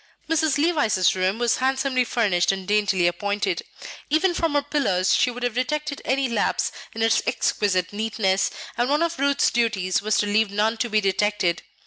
Mrs. Levice's room was handsomely furnished and daintily appointed. Even from her pillows she would have detected any lapse in its exquisite neatness, and one of Ruth's duties was to leave none to be detected.